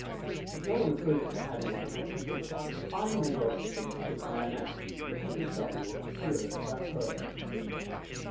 As no one approved of Paddy's proposal, it was finally resolved to dig the big man out and a pick and shovel were procured for the purpose.